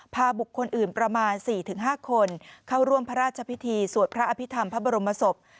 บุคคลอื่นประมาณ๔๕คนเข้าร่วมพระราชพิธีสวดพระอภิษฐรรมพระบรมศพ